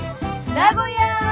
名古屋。